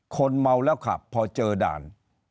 คนเมาแล้วขับพอเจอด่าน